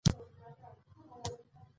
د بهرنیانو د منل کېدلو تګلاره